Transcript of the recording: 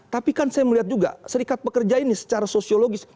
tapi kan saya melihat juga serikat pekerja ini secara sosiologis